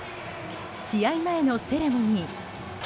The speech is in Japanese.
試合前のセレモニー。